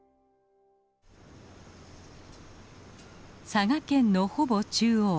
佐賀県のほぼ中央。